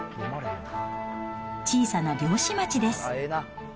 小さな漁師町です。